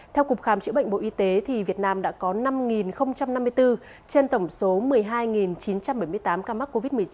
theo cục khám chữa bệnh bộ y tế việt nam đã có năm năm mươi bốn trên tổng số một mươi hai chín trăm bảy mươi tám ca mắc covid một mươi chín